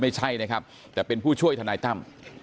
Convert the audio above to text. ไม่ใช่นะครับแต่เป็นผู้ช่วยทนายตั้ม